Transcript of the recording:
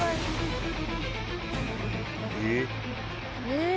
えっ？